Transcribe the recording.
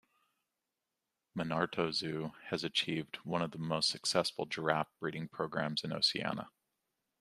Monarto zoo has achieved one of the most successful giraffe breeding programs in Oceania.